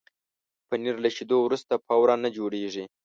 پنېر له شیدو وروسته فوراً نه جوړېږي.